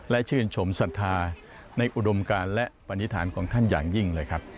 และชื่นชมศรัทธาในอุดมการและปฏิฐานของท่านอย่างยิ่งเลยครับ